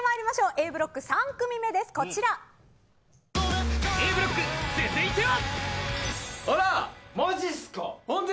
Ａブロック３組目です、Ａブロック、続いては。